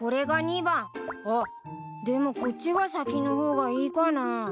あっでもこっちが先の方がいいかな。